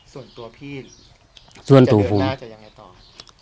ส่วนตัวพี่จะเดินหน้าจะยังไงต่อ